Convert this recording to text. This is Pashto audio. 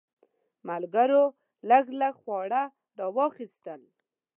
ملګرو لږ لږ خواړه راواخیستل.